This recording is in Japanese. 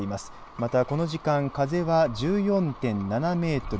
またこの時間風は１４．７メートル